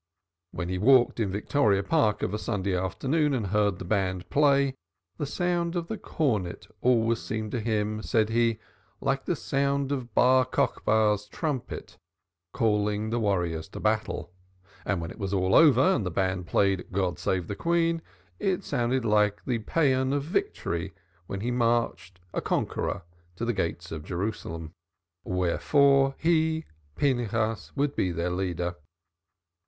When he, Pinchas, walked in Victoria Park of a Sunday afternoon and heard the band play, the sound of a cornet always seemed to him, said he, like the sound of Bar Cochba's trumpet calling the warriors to battle. And when it was all over and the band played "God save the Queen," it sounded like the paean of victory when he marched, a conqueror, to the gates of Jerusalem. Wherefore he, Pinchas, would be their leader.